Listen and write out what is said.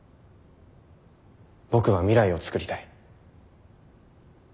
僕は未来を創りたい。